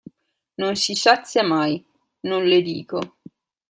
Non si sazia mai, non le dico.